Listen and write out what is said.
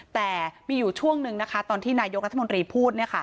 แต่มีอยู่ช่วงนึงนะคะตอนที่นายกรัฐมนตรีพูด